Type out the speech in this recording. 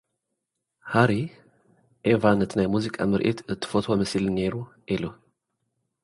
ሃሪ፡ 'ኤቫ ነቲ ናይ ሙዚቃ ምርኢት እትፈትዎ መሲሉኒ ነይሩ' ኢሉ።